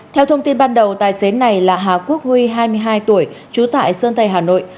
theo thông tin ban đầu tài xế này là hà quốc huy hai mươi hai tuổi trú tại sơn tây hà nội